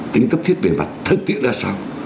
tính cấp thiết về mặt thân thiết là sao